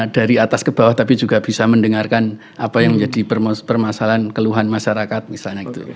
dari atas ke bawah tapi juga bisa mendengarkan apa yang menjadi permasalahan keluhan masyarakat misalnya gitu